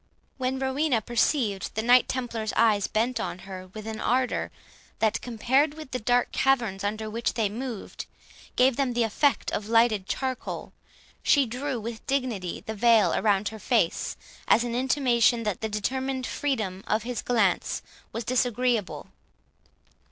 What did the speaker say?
When Rowena perceived the Knight Templar's eyes bent on her with an ardour, that, compared with the dark caverns under which they moved, gave them the effect of lighted charcoal, she drew with dignity the veil around her face, as an intimation that the determined freedom of his glance was disagreeable.